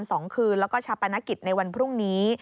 สองคืนแล้วก็ชาปนกิจในวันพรุ่งนี้